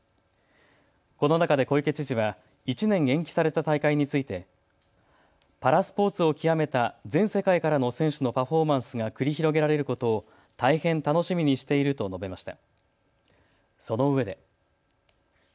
この中で小池知事は１年延期された大会についてパラスポーツを極めた全世界からの選手のパフォーマンスが繰り広げられることを大変楽しみにしていると述べました。